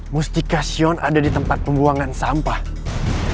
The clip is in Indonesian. mustikasyon ada di tempat pembuangan sampah